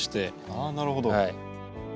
ああなるほど。